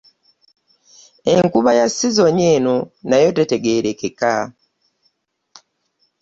Enkuba ya sizoni eno nayo tetegerekeka.